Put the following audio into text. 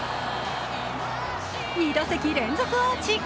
２打席連続アーチ。